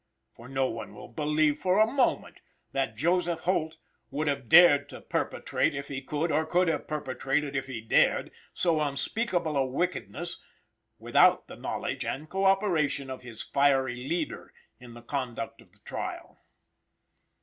For no one will believe, for a moment, that Joseph Holt would have dared to perpetrate, if he could, or could have perpetrated, if he dared, so unspeakable a wickedness, without the knowledge and coöperation of his fiery leader in the conduct of the trial.